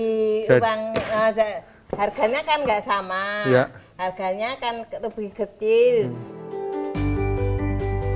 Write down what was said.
uang harganya kan enggak sama harganya kan lebih kecil